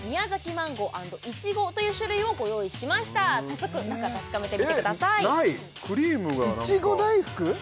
マンゴー＆いちごという種類をご用意しました早速中確かめてみてくださいないクリームがなんかいちご大福！？